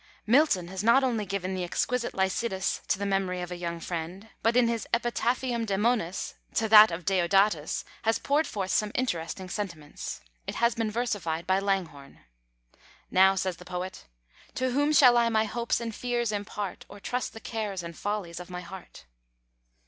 Milton has not only given the exquisite Lycidas to the memory of a young friend, but in his Epitaphium Damonis, to that of Deodatus, has poured forth some interesting sentiments. It has been versified by Langhorne. Now, says the poet, To whom shall I my hopes and fears impart, Or trust the cares and follies of my heart?